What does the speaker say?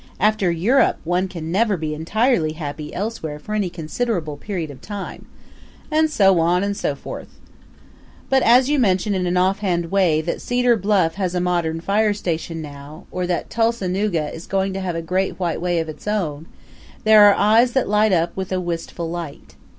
After Europe one can never be entirely happy elsewhere for any considerable period of time. And so on and so forth. But as you mention in an offhand way that Cedar Bluff has a modern fire station now, or that Tulsanooga is going to have a Great White Way of its own, there are eyes that light up with a wistful light.